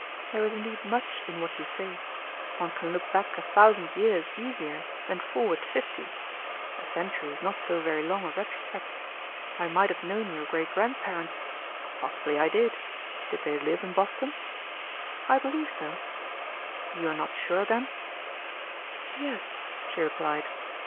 "There is indeed much in what you say. One can look back a thousand years easier than forward fifty. A century is not so very long a retrospect. I might have known your great grand parents. Possibly I did. Did they live in Boston?" "I believe so." "You are not sure, then?" "Yes," she replied.